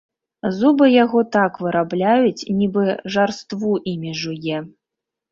Зубы яго так вырабляюць, нібы жарству імі жуе.